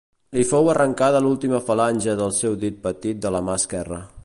Li fou arrencada l'última falange del seu dit petit de la mà esquerra.